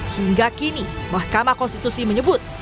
hingga kini mahkamah konstitusi menyebut